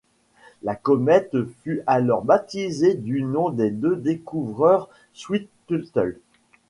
La comète fut alors baptisée du nom des deux découvreurs, Swift-Tuttle.